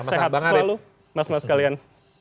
selalu sehat mas mas kalian